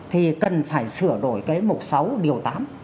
thì cần phải sửa đổi cái mục sáu điều tám